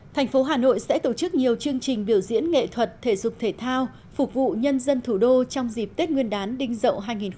thành phố hà nội sẽ tổ chức nhiều chương trình biểu diễn nghệ thuật thể dục thể thao phục vụ nhân dân thủ đô trong dịp tết nguyên đán đinh dậu hai nghìn hai mươi